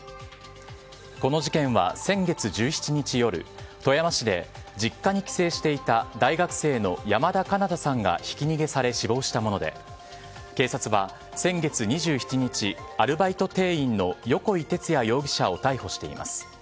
この事件は先月１７日の夜富山市で、実家に帰省していた大学生の山田翔向さんがひき逃げされ死亡したもので警察は先月２７日アルバイト店員の横井徹哉容疑者を逮捕しています。